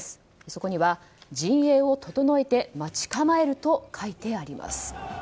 そこには「陣営を整えて待ち構える」と書いてあります。